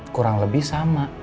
kurang lebih sama